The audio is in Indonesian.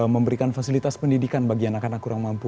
memberikan fasilitas pendidikan bagi anak anak kurang mampu